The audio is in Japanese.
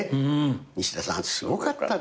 西田さんすごかったですね。